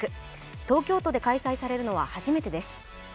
東京都で開催されるのは初めてです。